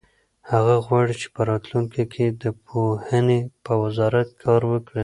هغه غواړي چې په راتلونکي کې د پوهنې په وزارت کې کار وکړي.